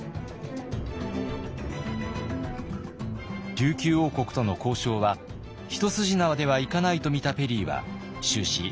琉球王国との交渉は一筋縄ではいかないとみたペリーは終始強気の姿勢を貫きます。